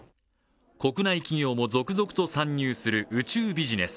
国内企業も続々と参入する宇宙ビジネス。